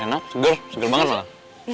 enak segar segar banget mbak